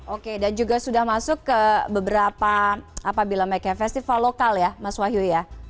oke dan juga sudah masuk ke beberapa apabila festival lokal ya mas wahyu ya